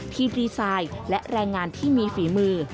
ดีไซน์และแรงงานที่มีฝีมือ